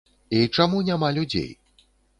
І чаму няма людзей?